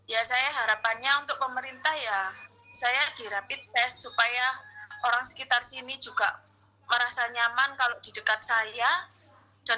ya saya harapannya untuk pemerintah ya saya di rapid test supaya orang sekitar sini juga merasa nyaman kalau di dekat saya dan